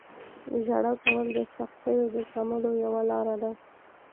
• ژړا کول د سختیو د زغملو یوه لاره ده.